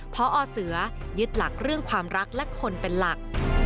พอเสือยึดหลักเรื่องความรักและคนเป็นหลัก